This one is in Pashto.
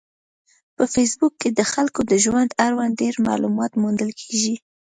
په فېسبوک کې د خلکو د ژوند اړوند ډېر معلومات موندل کېږي.